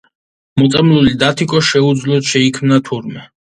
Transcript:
მოწამლული დათიკო შეუძლოდ შეიქმნა თურმე.